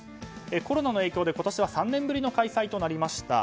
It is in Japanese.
コロナの影響で、今年は３年ぶりの開催となりました。